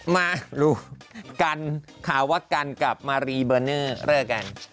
มารู้กันข่าวว่ากันกับมารีเบอร์เนอร์เลิกกัน